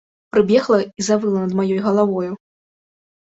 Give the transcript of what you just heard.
Прыбегла і завыла над маёй галавою.